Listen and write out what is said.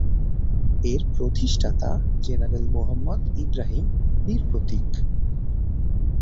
এর প্রতিষ্ঠাতা জেনারেল মুহাম্মদ ইব্রাহিম বীর প্রতীক।